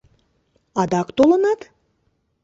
Адак толынат?!